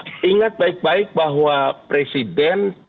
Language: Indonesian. saya ingat baik baik bahwa presiden